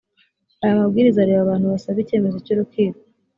aya mabwiriza areba abantu basaba icyemezo cy’urukiko